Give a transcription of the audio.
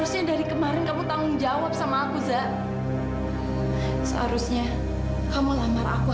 padahal dia udah ngerusak aku